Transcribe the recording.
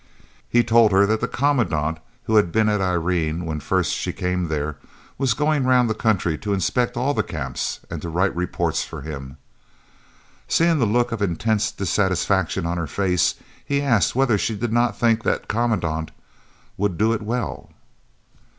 He told her that the Commandant, who had been at Irene when first she came there, was going round the country to inspect all the Camps and to write reports for him. Seeing the look of intense dissatisfaction on her face, he asked whether she did not think that Commandant would do it well.